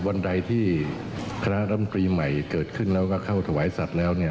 วันใดที่คณะรำตรีใหม่เกิดขึ้นแล้วก็เข้าถวายสัตว์แล้วเนี่ย